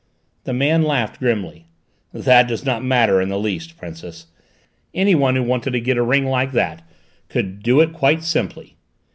The man laughed grimly. "That does not matter in the least, Princess. Anyone who wanted to get a ring like that could do it quite simply."